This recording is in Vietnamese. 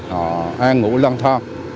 họ an ngũ lăn thang